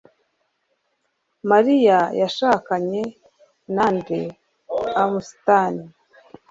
Mariya yashakanye na nde Amastan